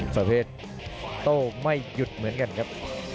สาเหตุโต้ไม่หยุดเหมือนกันครับ